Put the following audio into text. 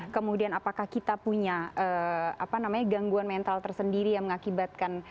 kemudian apakah kita punya gangguan mental tersendiri yang mengakibatkan